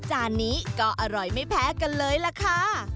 จานนี้ก็อร่อยไม่แพ้กันเลยล่ะค่ะ